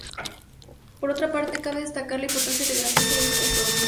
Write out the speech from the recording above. Por otra parte cabe destacar la importancia y grandeza de su gastronomía.